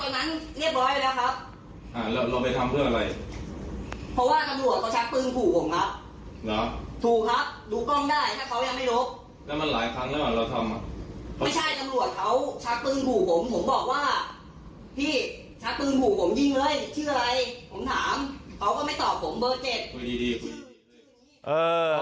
คือที่ถืออาวุธไปนี่คือ